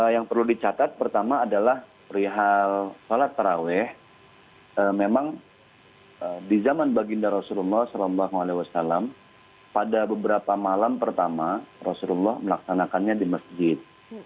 yang perlu dicatat pertama adalah perihal sholat taraweh memang di zaman baginda rasulullah saw pada beberapa malam pertama rasulullah melaksanakannya di masjid